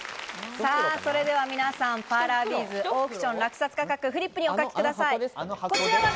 それでは皆さん、パーラービーズ、オークション落札価格をフリップにお書きください。